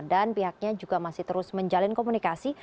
dan pihaknya juga masih terus menjalin komunikasi